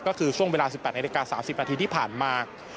ก็คือช่วงเวลา๑๘นาฬิกา๓๐นาทีที่ผ่านมา